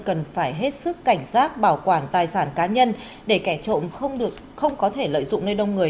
cần phải hết sức cảnh giác bảo quản tài sản cá nhân để kẻ trộm không có thể lợi dụng nơi đông người